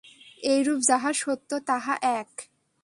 এইরূপ যাহা সত্য, তাহা এক।